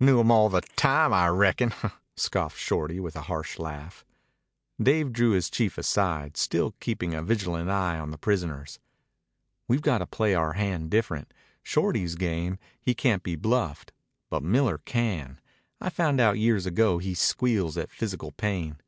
"Knew 'em all the time, I reckon," scoffed Shorty with a harsh laugh. Dave drew his chief aside, still keeping a vigilant eye on the prisoners. "We've got to play our hand different. Shorty is game. He can't be bluffed. But Miller can. I found out years ago he squeals at physical pain.